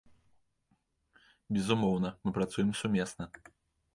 Безумоўна, мы працуем сумесна.